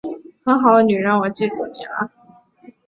很好，女人我记住你了